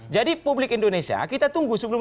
jadi publik indonesia kita tunggu sebelum